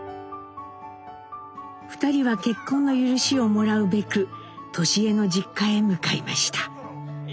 ２人は結婚の許しをもらうべく智江の実家へ向かいました。